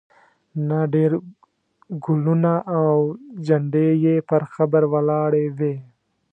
نه ډېر ګلونه او جنډې یې پر قبر ولاړې وې.